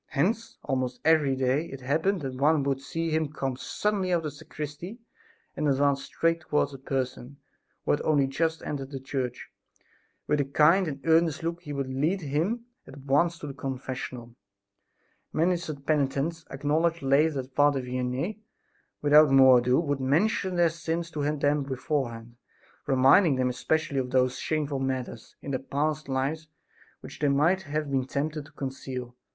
Hence almost every day it happened that one would see him come suddenly out of the sacristy and advance straight towards a person who had only just entered the church. With a kind and earnest look he would lead him at once to his confessional. Many such penitents acknowledged later that Father Vianney, without more ado, would mention their sins to them beforehand, reminding them especially of those shameful matters in their past life which they might have been tempted to conceal.